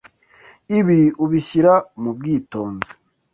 Ibi ubishyira mu bwitonzi.